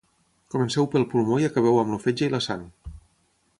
Comenceu pel pulmó i acabeu amb el fetge i la sang